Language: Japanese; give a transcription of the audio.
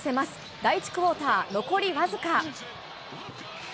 第１クオーター、残り僅か。